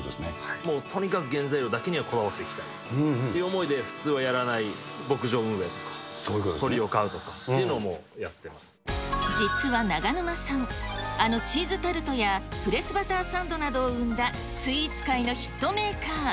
もうとにかく原材料だけにはこだわっていきたいという思いで、普通はやらない牧場運営、鶏を飼実は長沼さん、あのチーズタルトやプレスバターサンドなどを生んだスイーツ界のヒットメーカー。